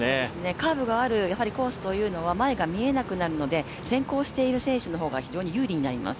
カーブがあるコースというのは前が見えなくなるので先行している選手の方が非常に有利になります。